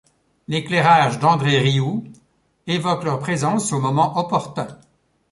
L'éclairage d’André Rioux évoque leur présence au moment opportun.